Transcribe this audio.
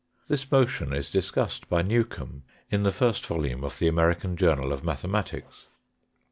This motion is discussed by Newcomb in the first volume of the American Journal of Mathematics.